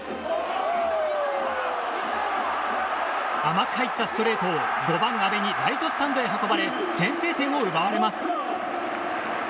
甘く入ったストレートを５番、阿部にライトスタンドへ運ばれ先制点を奪われます。